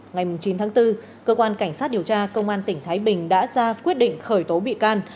ngày chín tháng bốn cơ quan cảnh sát điều tra công an tỉnh thái bình đã ra quyết định khởi tố bị can